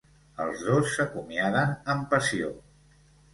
Els dos s'acomiaden amb passió.